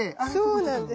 そうなんです。